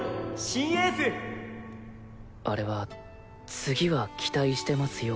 新エあれは「次は」期待してますよ